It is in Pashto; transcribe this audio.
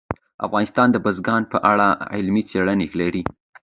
افغانستان د بزګان په اړه علمي څېړنې لري.